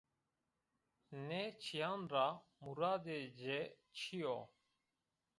Nê çîyan ra muradê ci çi yo?